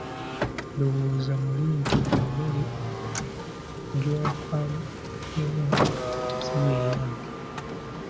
Ndowooza muli nti emmere gy'ompaddemu si ye yange.